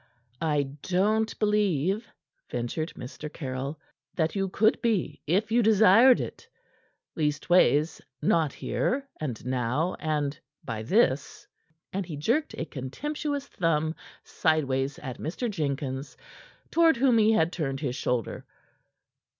"I don't believe," ventured Mr. Caryll, "that you could be if you desired it. Leastways not here and now and by this." And he jerked a contemptuous thumb sideways at Mr. Jenkins, toward whom he had turned his shoulder.